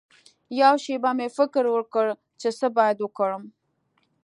یوه شېبه مې فکر وکړ چې څه باید وکړم.